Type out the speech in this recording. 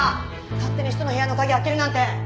勝手に人の部屋の鍵開けるなんて！